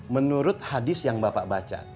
menurut hadis yang bapak baca